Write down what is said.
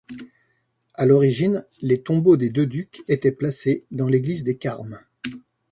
À l'origine les tombeaux des deux ducs étaient placés dans l'église des Carmes.